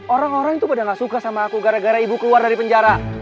orang orang itu pada gak suka sama aku gara gara ibu keluar dari penjara